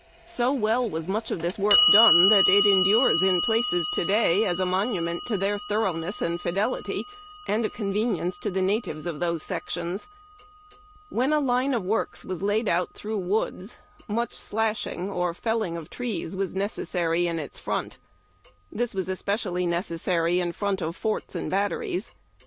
So well was much of this work done tliat it endures in places to day as a monument to their thoroughness and iidelit}^ and a convenience to the natives of those sections. When a line of works was laid out through woods, much slashhu/^ or felling of trees, was necessar}' in its front. This was especially necessary in front of forts and batteries.